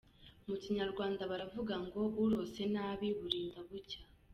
Mu Kinyarwanda baravuga ngo “Urose nabi burinda bucya”.